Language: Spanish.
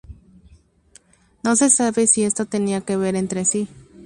No se sabe si esto tenía que ver entre sí.